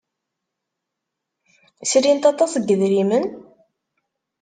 Srint aṭas n yidrimen?